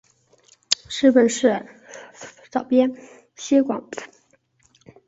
日本是最早编纂西方式法典的亚洲国家。